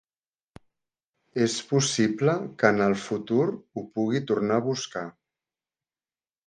És possible que en el futur ho pugui tornar a buscar.